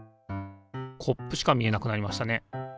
コップしか見えなくなりましたね。